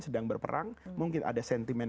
sedang berperang mungkin ada sentimen